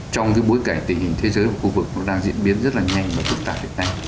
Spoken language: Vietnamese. trong bối cảnh tình hình thế giới của khu vực đang diễn biến rất nhanh và phức tạp